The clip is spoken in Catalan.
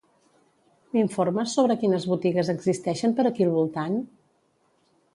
M'informes sobre quines botigues existeixen per aquí al voltant?